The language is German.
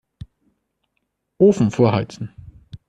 Ofen vorheizen.